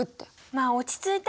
まあ落ち着いて。